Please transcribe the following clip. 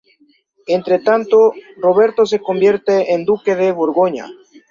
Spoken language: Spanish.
Entre tanto, Roberto se convierte en duque de Borgoña.